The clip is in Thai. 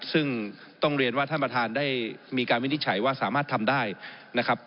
ซึ่งต้องเรียนว่าท่านประธานได้มีการวินิจฉัยว่าสามารถทำได้นะครับ